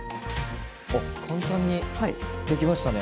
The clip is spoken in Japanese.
おっ簡単に出来ましたね。